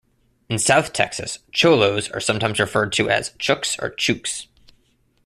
In South Texas, cholos are sometimes referred to as chucs or chukes.